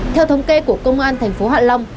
theo thống kê của công an thành phố hạ long